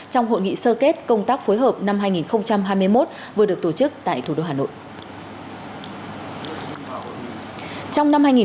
trong hội nghị sơ kết công tác phối hợp năm hai nghìn hai mươi một vừa được tổ chức tại thủ đô hà nội